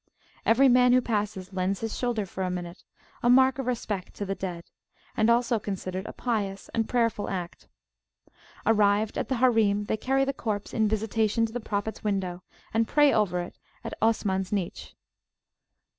Every man who passes lends his shoulder for a minute, a mark of respect to the dead, and also considered a pious and a prayerful act. Arrived at the Harim, they carry the corpse in visitation to the Prophets window, and pray over it at Osmans niche.